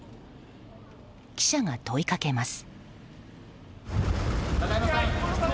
記者が問いかけます。